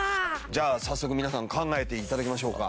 じゃあ早速皆さん考えて頂きましょうか。